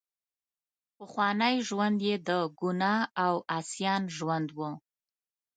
پخوانی ژوند یې د ګناه او عصیان ژوند وو.